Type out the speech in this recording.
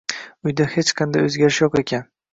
Uyda hech qanday oʻzgarish yoʻq ekan.